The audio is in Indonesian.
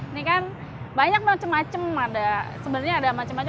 ini kan banyak macem macem ada sebenernya ada macem macem